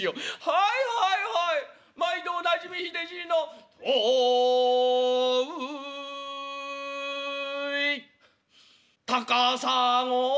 『はいはいはい毎度おなじみひでじいの』『豆腐い』『高砂や』」。